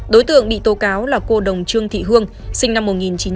đối tượng bị tố cáo là cô đồng trương thị hương sinh năm một nghìn chín trăm bảy mươi